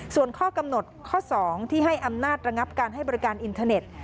ส่วนข้อกำหนดข้อ๒ที่ให้อำนาจระงับการให้บริการอินเทอร์เน็ต